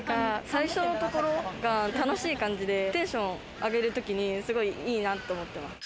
最初のところが楽しい感じで、テンション上げるときにすごいいいなって思った。